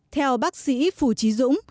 theo bác sĩ phù trí dũng